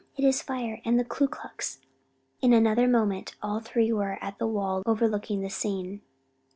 it's fire, and the Ku Klux!" In another moment all three were at the window overlooking the scene.